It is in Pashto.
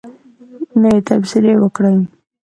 نوی تبصرې وکړئ